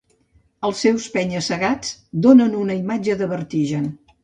Els seus penya-segats donen una imatge de vertigen.